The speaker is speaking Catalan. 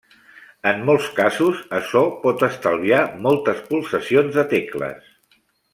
En molts casos, açò pot estalviar moltes pulsacions de tecles.